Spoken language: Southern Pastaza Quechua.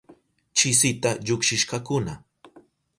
Chisita llukshishkakuna.